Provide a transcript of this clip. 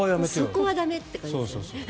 そこは駄目って感じですね。